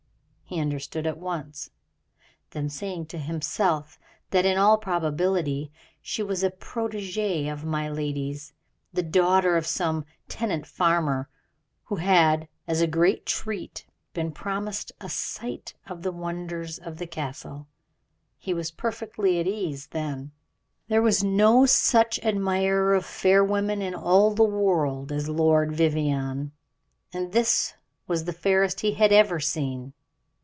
He understood at once. Then, saying to himself that in all probability she was a protegee of my lady's, the daughter of some tenant farmer, who had, as a great treat, been promised a sight of the wonders of the Castle he was perfectly at his ease then. There was no such admirer of fair women in all the world as Lord Vivianne, and this was the fairest he had ever seen.